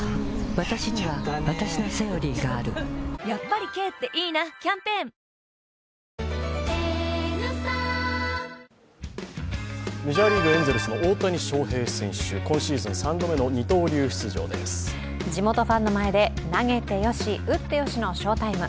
わたしにはわたしの「セオリー」があるやっぱり軽っていいなキャンペーンメジャーリーグ・エンゼルスの大谷翔平選手、今シーズン３度目の二刀流出場です地元ファンの前で投げてよし、打ってよしの翔タイム。